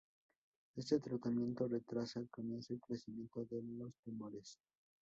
Este tratamiento retrasa el comienzo y crecimiento de los tumores.